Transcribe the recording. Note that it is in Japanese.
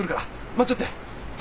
待っちょって。